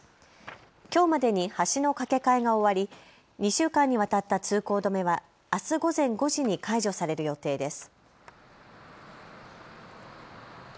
きょうまでに橋の架け替えが終わり２週間にわたった通行止めはあす午前５時に解除される予定です。